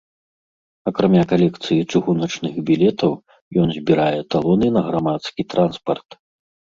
Акрамя калекцыі чыгуначных білетаў, ён збірае талоны на грамадскі транспарт.